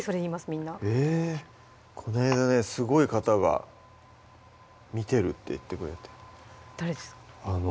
みんなこないだねすごい方が見てるって言ってくれて誰ですか？